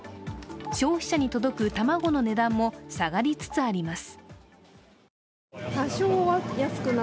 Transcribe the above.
消費者に届く卵の値段も下がりつつあります。